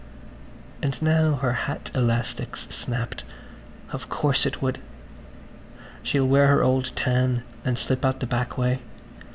And now her hat elastic's snapped. Of course it would. She'll wear her old tam and slip out the back way.